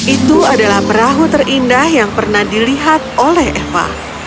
itu adalah perahu terindah yang pernah dilihat oleh eva